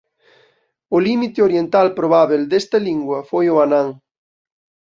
O límite oriental probábel desta lingua foi o Annan.